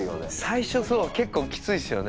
最初そう結構キツいっすよね。